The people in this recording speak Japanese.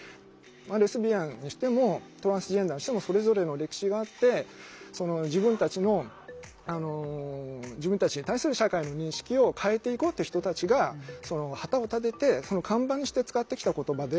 レズビアンにしてもトランスジェンダーにしてもそれぞれの歴史があって自分たちの自分たちへ対する社会の認識を変えていこうという人たちが旗を立てて看板にして使ってきた言葉で。